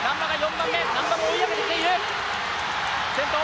難波が追い上げてきている。